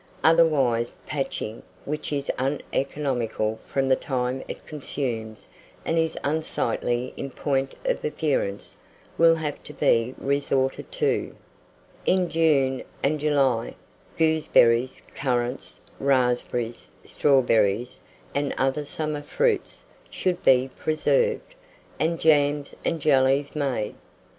Otherwise, patching, which is uneconomical from the time it consumes, and is unsightly in point of appearance, will have to be resorted to. In June and July, gooseberries, currants, raspberries, strawberries, and other summer fruits, should be preserved, and jams and jellies made.